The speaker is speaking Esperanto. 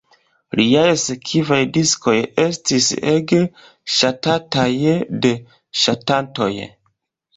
Liaj sekvaj diskoj estis ege ŝatataj de ŝatantoj.